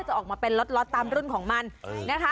ออกมาเป็นล็อตตามรุ่นของมันนะคะ